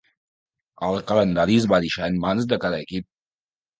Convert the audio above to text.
El calendari es va deixar en mans de cada equip.